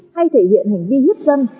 hay thể hiện hành vi hiếp dân